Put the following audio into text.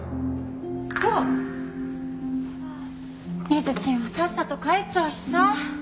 根津ちんはさっさと帰っちゃうしさ。